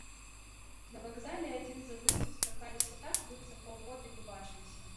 На вакзале адзін з адным сустракаліся так, быццам паўгода не бачыліся.